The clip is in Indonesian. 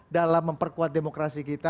dalam memperkuat demokrasi kita